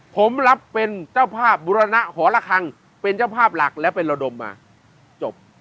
ผมรับเป็นเจ้าภาพบุรณะหอระคังเป็นเจ้าภาพหลักและเป็นระดมมาจบ